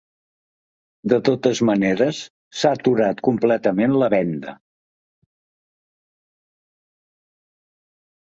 De totes maneres, s’ha aturat completament la venda.